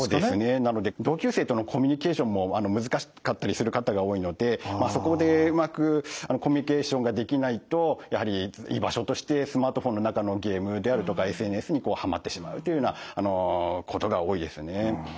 なので同級生とのコミュニケーションも難しかったりする方が多いのでそこでうまくコミュニケーションができないとやはり居場所としてスマートフォンの中のゲームであるとかＳＮＳにはまってしまうというようなことが多いですね。